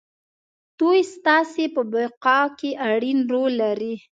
دوی ستاسې په بقا کې اړين رول لري.